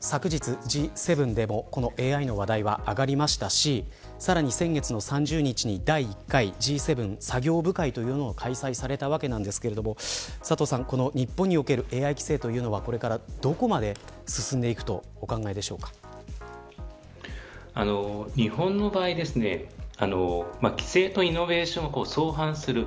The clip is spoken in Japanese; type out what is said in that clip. さく日、Ｇ７でもこのＡＩの話題は上がりましたしさらに先月３０日に、第１回Ｇ７作業部会というのが開催されたわけですが佐藤さん、日本におけるＡＩ規制というのはこれからどこまで日本の場合規制とイノベーション相反する。